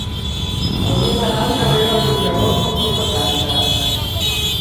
Hauria d'anar al carrer del Llobregós número setanta.